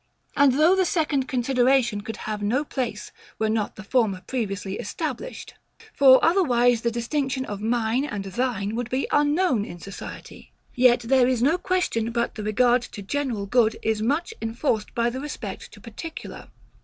And though the second consideration could have no place, were not the former previously established: for otherwise the distinction of MINE and THINE would be unknown in society: yet there is no question but the regard to general good is much enforced by the respect to particular.